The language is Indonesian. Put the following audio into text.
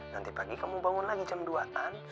nanti pagi kamu bangun lagi jam dua an